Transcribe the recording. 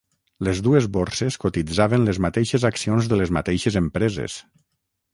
Les dues borses cotitzaven les mateixes accions de les mateixes empreses.